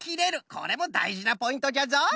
これもだいじなポイントじゃぞ。